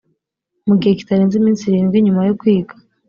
mu gihe kitarenze iminsi irindwi nyuma yo kwiga